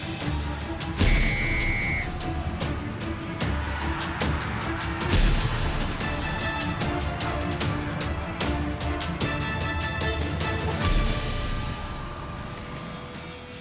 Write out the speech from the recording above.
สวัสดีครับ